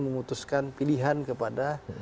memutuskan pilihan kepada